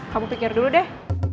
kamu pikir dulu deh